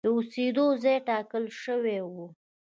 د اوسېدو ځای ټاکل شوی و.